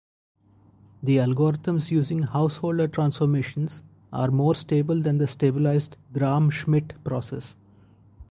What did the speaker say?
The algorithms using Householder transformations are more stable than the stabilized Gram-Schmidt process.